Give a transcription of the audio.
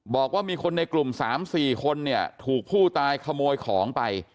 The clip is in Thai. บอกว่ามีคนในกลุ่ม๓๔คนเนี่ยถูกผู้ตายขโมยของไป